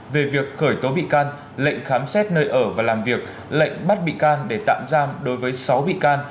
về việc khởi tố bị can lệnh khám xét nơi ở và làm việc lệnh bắt bị can để tạm giam đối với sáu bị can